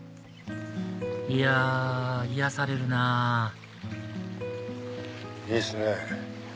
いや癒やされるなぁいいっすね。